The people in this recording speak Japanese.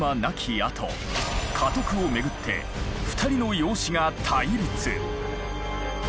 あと家督をめぐって２人の養子が対立！